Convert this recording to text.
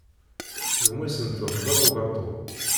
Gma-s n Tom, d abugaṭu.